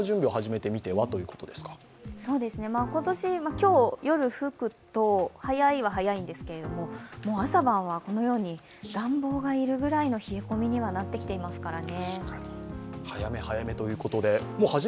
今日、夜吹くと早いは早いんですけれども、もう朝晩は暖房が要るくらいの冷え込みにはなっていますからね。